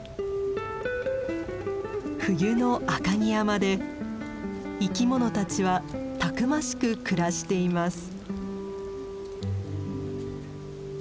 冬の赤城山で生き物たちはたくましく暮らしています。